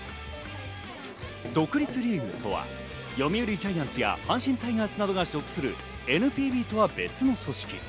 独立リーグとは読売ジャイアンツや阪神タイガースなどが属するＮＰＢとは別の組織。